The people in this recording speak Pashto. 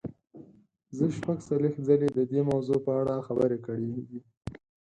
زه شپږ څلوېښت ځلې د دې موضوع په اړه خبرې کړې دي.